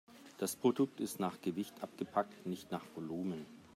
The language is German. Das Produkt ist nach Gewicht abgepackt, nicht nach Volumen.